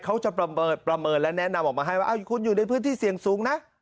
เขาจะประเมินและแนะนำออกมาให้ว่าคุณอยู่ในพื้นที่เสี่ยงสูงนะ